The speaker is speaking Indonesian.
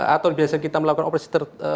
atau biasa kita melakukan operasi